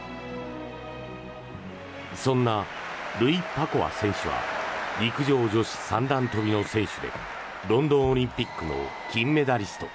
そんなルイパコワ選手は陸上女子三段跳の選手でロンドンオリンピックの金メダリスト。